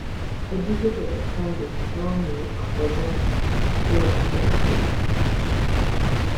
Educated at Cambridge, Alnwick was an ecclesiastic priest.